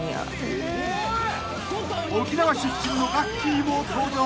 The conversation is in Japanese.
［沖縄出身のガッキーも登場］